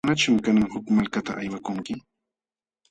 ¿Manachum kanan huk malkata aywakunki?